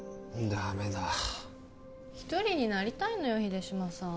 ダメだ一人になりたいのよ秀島さん